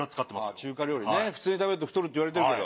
中華料理ね普通に食べると太るっていわれてるけど。